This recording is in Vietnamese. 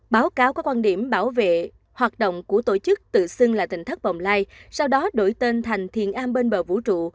báo cáo có quan điểm bảo vệ hoạt động của tổ chức tự xưng là tỉnh thất bồng lai sau đó đổi tên thành am bên bờ vũ trụ